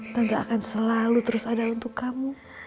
nanti akan selalu terus ada untuk kamu